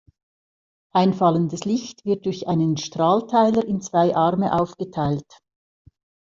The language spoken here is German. Einfallendes Licht wird durch einen Strahlteiler in zwei Arme aufgeteilt.